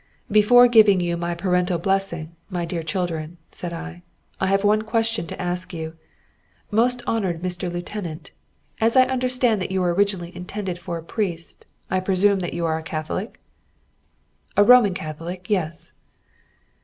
"Before giving you my paternal blessing, my dear children," said I, "I have one question to ask you. Most honoured Mr. Lieutenant, as I understand that you were originally intended for a priest, I presume that you are a Catholic?" "A Roman Catholic, yes."